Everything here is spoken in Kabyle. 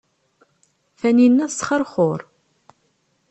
Taninna tesxerxur.